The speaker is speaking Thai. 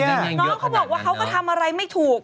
น้องเขาบอกว่าเขาก็ทำอะไรไม่ถูก